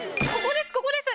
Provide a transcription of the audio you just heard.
ここです